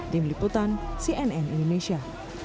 tim liputan cnn indonesia